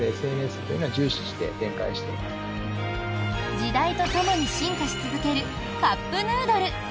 時代とともに進化し続けるカップヌードル。